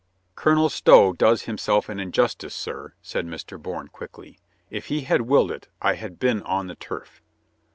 "Colonel Stow does himself an injustice, sir," said Mr. Bourne quickly. "If he had willed it I had been on the turf."